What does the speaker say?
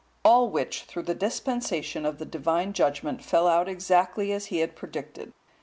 All which, through the dispensation of the Divine judgement, fell out exactly as he had predicted.